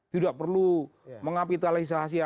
tidak perlu mengapitalisasi